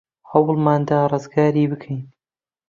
هەوڵمان دا ڕزگاری بکەین.